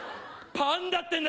パンダってんだ！